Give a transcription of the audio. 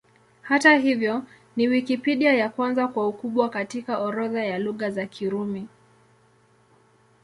Hata hivyo, ni Wikipedia ya kwanza kwa ukubwa katika orodha ya Lugha za Kirumi.